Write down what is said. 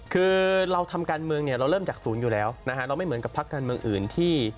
คือเราทำการเมืองเนี่ยเราเริ่มจากศูนย์อยู่แล้วนะฮะเราไม่เหมือนกับพักการเมืองอื่นที่